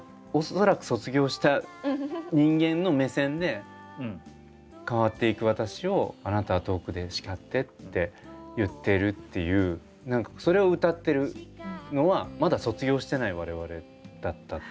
恐らく卒業した人間の目線で「変わってゆく私をあなたは遠くでしかって」って言ってるっていうそれを歌ってるのはまだ卒業してない我々だったっていう不思議。